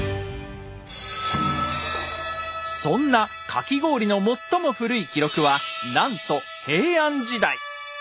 そんなかき氷の最も古い記録はなんと平安時代。